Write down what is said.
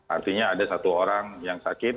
artinya ada satu orang yang sakit